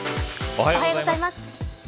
おはようございます。